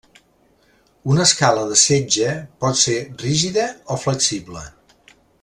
Una escala de setge pot ser rígida o flexible.